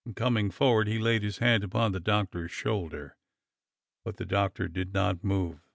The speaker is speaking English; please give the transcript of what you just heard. and coming for ward he laid his hand upon the Doctor's shoulder. But the Doctor did not move.